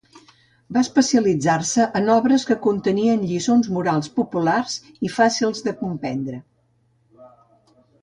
Va especialitzar-se en obres que contenien lliçons morals populars i fàcils de comprendre.